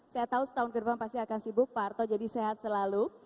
saya tahu setahun ke depan pasti akan sibuk pak arto jadi sehat selalu